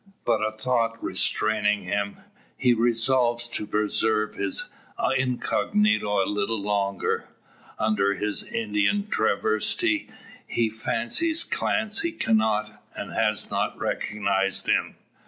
Put a thought restraining him, he resolves to preserve his incognito a little longer. Under his Indian travestie he fancies Clancy cannot, and has not, recognised him.